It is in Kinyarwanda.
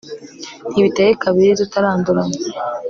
ntibiteye kabiri tutaranduranya